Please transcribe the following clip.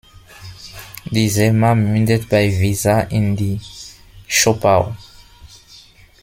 Die Sehma mündet bei Wiesa in die Zschopau.